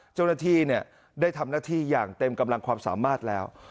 เจ้าหน้าที่ได้ทำหน้าที่อย่างเต็มกำลังความสามารถแล้ว